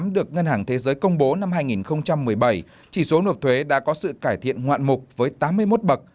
được ngân hàng thế giới công bố năm hai nghìn một mươi bảy chỉ số nộp thuế đã có sự cải thiện ngoạn mục với tám mươi một bậc